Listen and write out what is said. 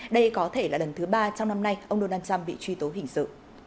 đây có thể là lần thứ ba trong năm nay ông donald trump bị truy tố hình sự